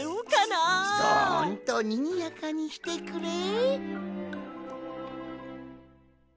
どんとにぎやかにしてくれ。